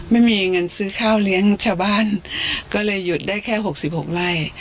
ไม่มีเงินซื้อข้าวเลี้ยงชาวบ้านก็เลยหยุดได้แค่๖๖ไร่